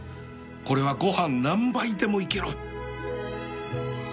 これはご飯何杯でもいける